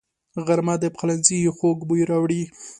غرمه د پخلنځي خوږ بوی راوړي